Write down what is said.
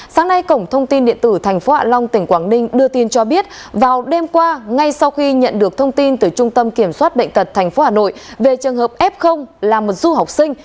sáng nay cổng thông tin điện tử tp hạ long tỉnh quảng ninh đưa tin cho biết vào đêm qua ngay sau khi nhận được thông tin từ trung tâm kiểm soát bệnh tật tp hà nội về trường hợp f là một du học sinh